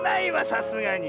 さすがに。